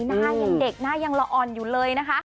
หน้ายังเด็กหน้ายังละอ่อนอยู่เลยนะคะ